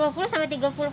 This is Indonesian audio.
sehari berapa bungkus